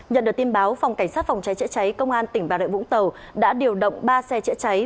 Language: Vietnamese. nhận được tin báo phòng cảnh sát phòng cháy chế cháy công an tỉnh bà rịa vũng tàu đã điều động ba xe chế cháy